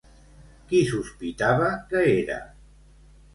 Qui sospitava que era?